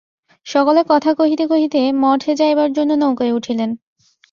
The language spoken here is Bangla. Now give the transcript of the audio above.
সকলে কথা কহিতে কহিতে মঠে যাইবার জন্য নৌকায় উঠিলেন।